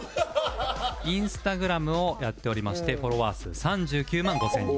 Ｉｎｓｔａｇｒａｍ をやっておりましてフォロワー数３９万５０００人